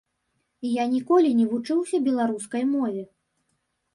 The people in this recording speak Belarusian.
Я ніколі не вучыўся беларускай мове.